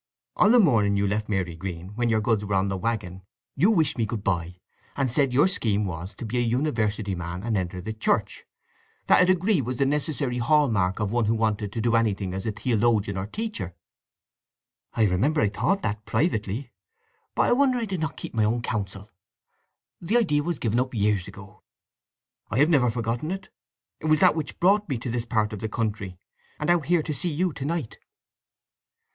On the morning you left Marygreen, when your goods were on the waggon, you wished me good bye, and said your scheme was to be a university man and enter the Church—that a degree was the necessary hall mark of one who wanted to do anything as a theologian or teacher." "I remember I thought all that privately; but I wonder I did not keep my own counsel. The idea was given up years ago." "I have never forgotten it. It was that which brought me to this part of the country, and out here to see you to night."